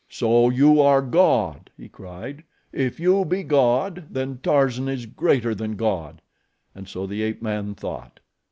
"So you are God!" he cried. "If you be God, then Tarzan is greater than God," and so the ape man thought.